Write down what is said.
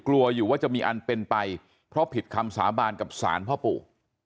กลัวอยู่ว่าจะมีอันเป็นไปเพราะผิดคำสาบานกับสารพ่อปู่